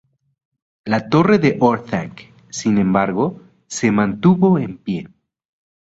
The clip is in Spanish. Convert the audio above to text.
La torre de Orthanc, sin embargo, se mantuvo en pie.